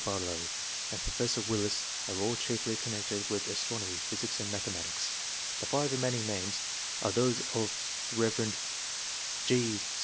Barlow, and Prof. Willis are all chiefly connected with astronomy, physics, and mathematics ; the five remaining names are those of the Rev. G.